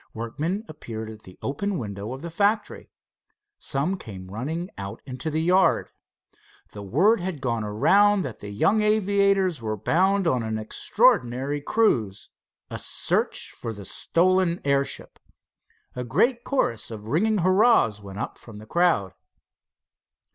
Workmen appeared at the open windows of the factor. Some came running out into the yard. The word had gone around that the young aviators were bound on an extraordinary cruise a search for the stolen airship. A great chorus of ringing hurrahs went up from the crowd.